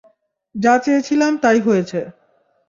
যা চেয়েছিলাম তাই হয়েছে।